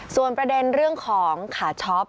ส่วนประเด็นเรื่องของขาช็อป